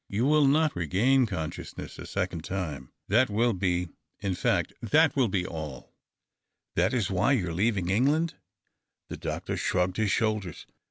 " You will uot regain consciousness a second time. That will be — in fact, that will be all." " That is why you are leaving England ?" The doctor shrugged his shoulders.